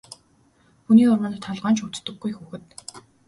Хүний урманд толгой нь ч өвддөггүй хүүхэд.